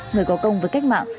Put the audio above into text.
người có công với cách mạng